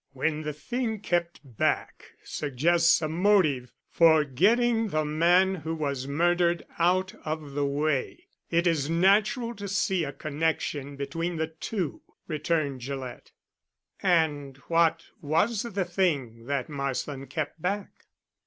"When the thing kept back suggests a motive for getting the man who was murdered out of the way, it is natural to see a connection between the two," returned Gillett. "And what was the thing that Marsland kept back?"